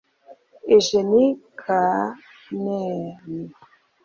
Eugene Cernan